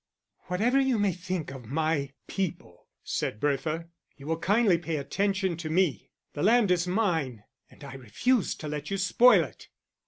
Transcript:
"Whatever you may think of my people," said Bertha, "you will kindly pay attention to me. The land is mine, and I refuse to let you spoil it."